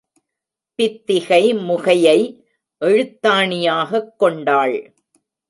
பித்திகை முகையை எழுத்தாணியாகக் கொண்டாள்.